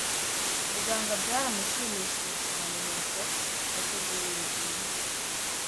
Muganga byaramushimishije cyane nuko bategura urugendo